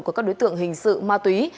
của các đối tượng hình sự ma túy